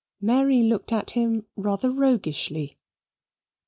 Mary looked at him rather roguishly.